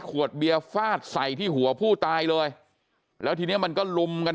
ขวดเบียร์ฟาดใส่ที่หัวผู้ตายเลยแล้วทีเนี้ยมันก็ลุมกัน